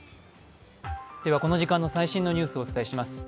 この時間の最新のニュースをお伝えします。